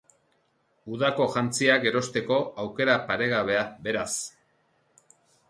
Udako jantziak erosteko aukera paregabea, beraz!